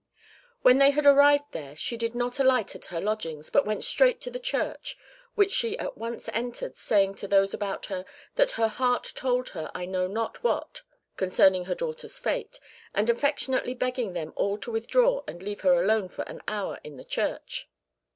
"When they had arrived there she did not alight at her lodgings, but went straight to the church, which she at once entered, saying to those about her, that her heart told her I know not what concerning her daughter's fate, and affectionately begging them all to withdraw and leave her alone for an hour in the church.